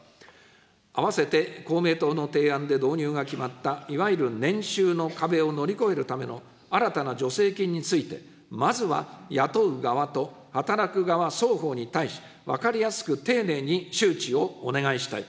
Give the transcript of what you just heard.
あわせて公明党の提案で導入が決まった、いわゆる年収の壁を乗り越えるための新たな助成金について、まずは雇う側と働く側双方に対し、分かりやすく丁寧に周知をお願いしたい。